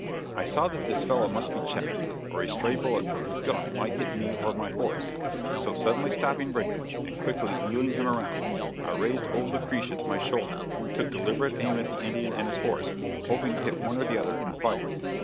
I saw that this fellow must be checked, or a stray bullet from his gun might hit me or my horse; so, suddenly stopping Brigham, and quickly wheeling him around, I raised old "Lucretia" to my shoulder, took deliberate aim at the Indian and his horse, hoping to hit one or the other, and fired.